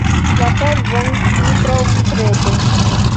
La solvon mi trovis rete.